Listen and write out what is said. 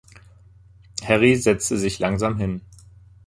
Harry setzte sich langsam hin.